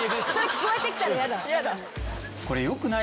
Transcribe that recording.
聞こえてきたら嫌だ。